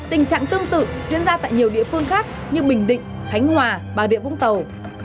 tình trạng tương tự diễn ra tại nhiều địa phương khác như bình định khánh hòa bà rịa vũng tàu